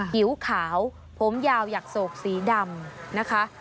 ผิวขาวผมยาวอยากโศกสีดำนะคะ